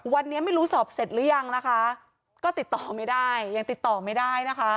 วันนี้ไม่รู้สอบเสร็จหรือยังนะคะก็ติดต่อไม่ได้ยังติดต่อไม่ได้นะคะ